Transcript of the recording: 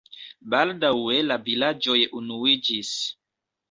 Baldaŭe la vilaĝoj unuiĝis.